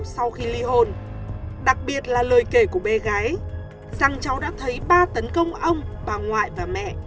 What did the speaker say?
sau khi ly hôn đặc biệt là lời kể của bé gái rằng cháu đã thấy ba tấn công ông bà ngoại và mẹ